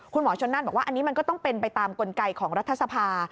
คุณหมอชนนั่นบอกว่าอันนี้มันก็ต้องเป็นไปตามกลไกของรัฐสภา